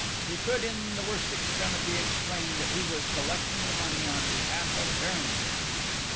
He could, in the worst extremity, explain that he was collecting the money on behalf of Farrington.